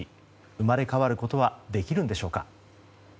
生まれ変わることはできるんでしょうか。